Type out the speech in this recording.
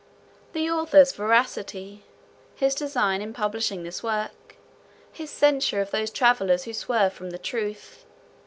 The author's veracity. His design in publishing this work. His censure of those travellers who swerve from the truth.